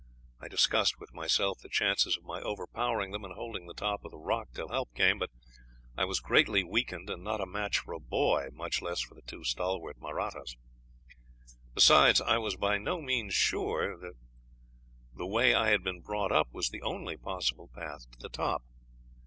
I discussed with myself the chances of my overpowering them and holding the top of the rock till help came; but I was greatly weakened, and was not a match for a boy, much less for the two stalwart Mahrattas; besides, I was by no means sure that the way I had been brought up was the only possible path to the top.